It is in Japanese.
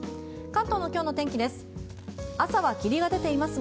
関東の今日の天気です。